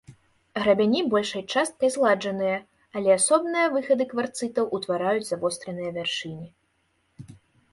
Грабяні большай часткай згладжаныя, але асобныя выхады кварцытаў утвараюць завостраныя вяршыні.